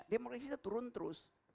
demokrasi itu turun terus